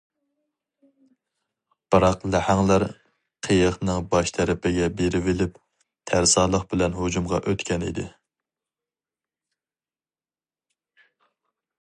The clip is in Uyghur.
بىراق لەھەڭلەر قېيىقنىڭ باش تەرىپىگە بېرىۋېلىپ، تەرسالىق بىلەن ھۇجۇمغا ئۆتكەن ئىدى.